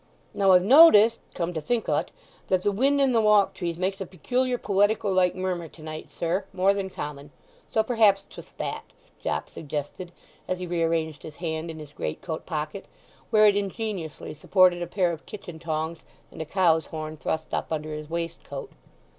"Now I've noticed, come to think o't that the wind in the Walk trees makes a peculiar poetical like murmur to night, sir; more than common; so perhaps 'twas that?" Jopp suggested, as he rearranged his hand in his greatcoat pocket (where it ingeniously supported a pair of kitchen tongs and a cow's horn, thrust up under his waistcoat).